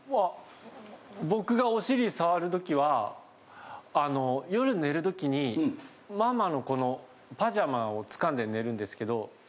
僕がお尻触るときは夜寝るときにママのこのパジャマをつかんで寝るんですけど。